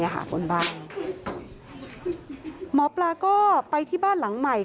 หมอปลาก็ไปที่บ้านหลังใหม่